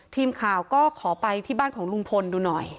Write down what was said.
ทีมข่าวก็ขอไปที่บ้านของลุงพลดูหน่อย